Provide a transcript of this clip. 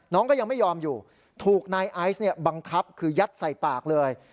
ก็ยังไม่ยอมอยู่ถูกนายไอซ์เนี่ยบังคับคือยัดใส่ปากเลย